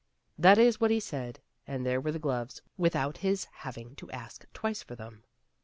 That is what he said, and there were the gloves without his having to ask twice for them.